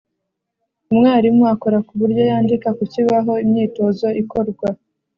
Umwarimu akora ku buryo yandika ku kibaho imyitozo ikorwa